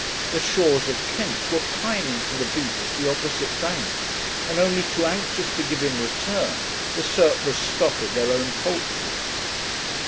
The shores of Kent were pining for the beef of the opposite bank, and only too anxious to give in return the surplus stock of their own poultry.